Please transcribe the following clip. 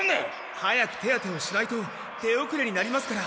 早く手当てをしないと手おくれになりますから。